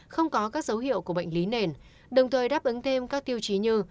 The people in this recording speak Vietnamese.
không có các dấu hiệu của bệnh lý nền đồng thời đáp ứng thêm các tiêu chí như